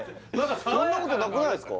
そんなことなくないですか？